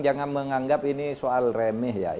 jangan menganggap ini soal remeh ya